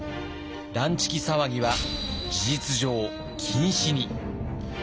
乱痴気騒ぎは事実上禁止に。